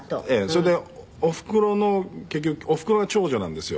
それでおふくろの結局おふくろが長女なんですよ。